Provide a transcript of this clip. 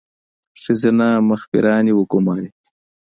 ښځینه مخبرانې وګوماري.